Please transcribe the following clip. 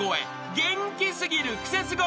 ［元気過ぎるクセスゴ